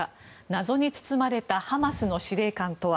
謎に包まれたハマスの司令官とは？